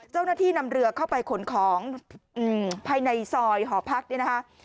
เจ้าหน้าที่นำเรือเข้าไปขนของภายในซอยหอพักเนี่ยนะคะ